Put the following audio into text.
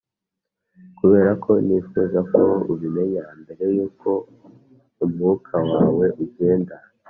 kuberako nifuza ko ubimenya, mbere yuko umwuka wawe ugenda,